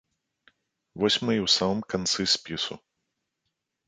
Вось мы і ў самым канцы спісу.